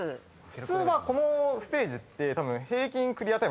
普通はこのステージってたぶん。